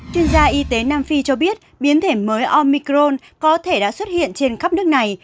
chuyên gia y tế nam phi cho biết biến thể mới omicron có thể đã xuất hiện trên khắp nước này